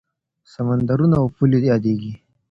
سمندرونه او پولې یادېږي.